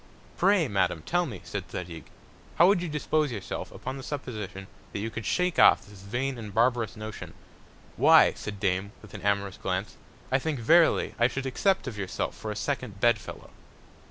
Pray, Madam, tell me, said Zadig, how would you dispose of yourself, upon the Supposition, that you could shake off this vain and barbarous Notion? Why, said Dame, with an amorous Glance, I think verily I should accept of yourself for a second Bed fellow.